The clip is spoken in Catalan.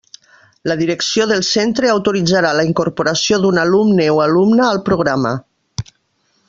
La direcció del centre autoritzarà la incorporació d'un alumne o d'alumna al programa.